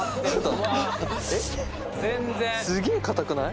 すげぇ硬くない？